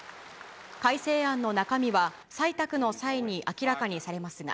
改正案の中身は、採択の際に明らかにされますが、